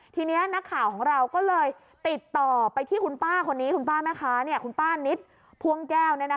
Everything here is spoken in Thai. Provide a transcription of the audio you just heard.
ทีนี้นักข่าวของเราก็เลยติดต่อไปที่คุณป้าคนนี้คุณป้าแม่ค้าคุณป้านิดพ่วงแก้ว